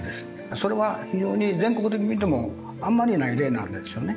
それは非常に全国的に見てもあんまりない例なんですよね。